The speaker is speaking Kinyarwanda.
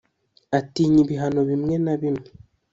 atinya ibihano bimwe na bimwe